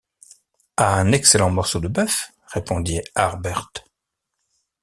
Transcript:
À un excellent morceau de bœuf, répondit Harbert